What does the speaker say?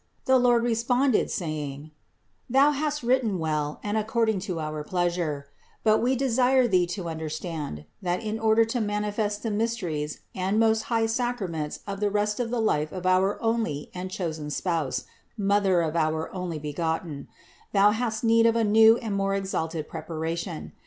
The Lord responded saying: "Thou hast written well, and according to our pleasure ; but We desire thee to understand, that in order to manifest the mysteries and most high sacraments of the rest of the life of our only and chosen Spouse, Mother of our Onlybegotten, thou hast need of a new and more exalted preparation.